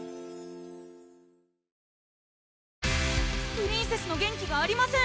プリンセスの元気がありません